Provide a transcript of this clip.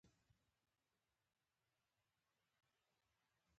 هغه د سهار پر څنډه ساکت ولاړ او فکر وکړ.